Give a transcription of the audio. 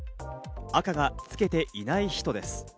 赤がつけていない人です。